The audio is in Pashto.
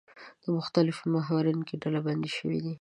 د مختلفو محورونو کې ډلبندي شوي دي.